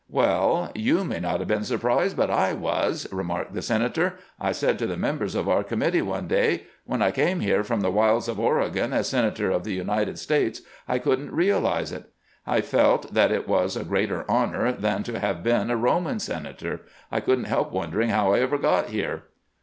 " Well, you may not have been surprised, but I was," remarked the sen ator. "I said to the members of our committee one day :' When I came here from the wilds of Oregon as senator of the United States I could n't riBalize it ; I felt that it was a greater honor than to have been a Eoman senator ; I could n't help wondering how I ever got here.'